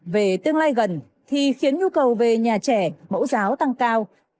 về tương lai gần thì khiến nhu cầu về nhà trẻ mẫu giáo tăng cao